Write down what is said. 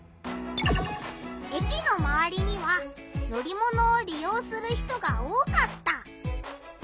駅のまわりには乗り物をりようする人が多かった。